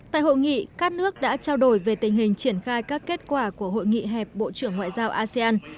tại hội nghị các nước đã trao đổi về tình hình triển khai các kết quả của hội nghị hẹp bộ trưởng ngoại giao asean